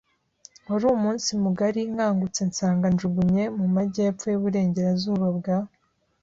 Wari umunsi mugari nkangutse nsanga njugunye mu majyepfo y'iburengerazuba bwa